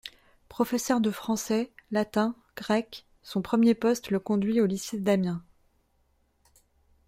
Professeur de français, latin, grec, son premier poste le conduit au lycée d'Amiens.